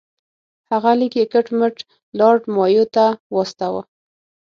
هغه لیک یې کټ مټ لارډ مایو ته واستاوه.